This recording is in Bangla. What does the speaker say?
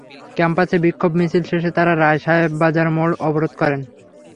ক্যাম্পাসে বিক্ষোভ মিছিল শেষে তাঁরা রায় সাহেব বাজার মোড় অবরোধ করেন।